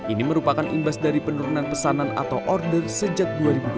ini merupakan imbas dari penurunan pesanan atau order sejak dua ribu dua puluh